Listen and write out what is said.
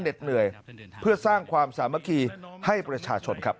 เหนื่อยเพื่อสร้างความสามัคคีให้ประชาชนครับ